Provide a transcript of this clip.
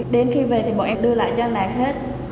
đến khi về thì bọn em đưa lại cho anh đạt hết